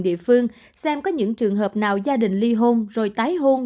địa phương xem có những trường hợp nào gia đình ly hôn rồi tái hôn